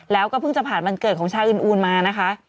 แล้วก็เพิ่งจะผ่านวันเกิดของชาวอื่นมานะคะ